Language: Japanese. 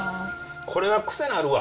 これはクセなるわ。